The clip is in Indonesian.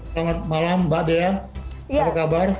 selamat malam mbak dea apa kabar